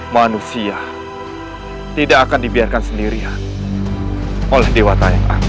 manusia tidak akan dibiarkan sendirian oleh dewa tayang aku